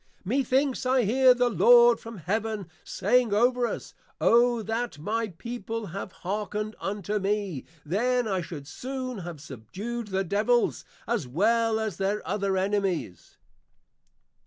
Methinks I hear the Lord from Heaven saying over us, _O that my People had hearkened unto me; then I should soon have subdued the Devils, as well as their other Enemies!